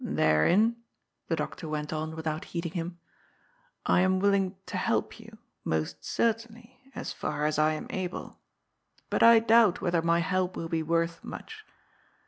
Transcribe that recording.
" Therein," the doctor went on without heeding him, " I am willing to help you, most certainly, as far as I am able. But I doubt whether my help will be worth much.